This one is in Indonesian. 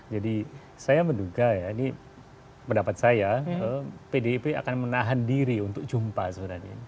jadi saya menduga ya ini pendapat saya pdip akan menahan diri untuk jumpa sebenarnya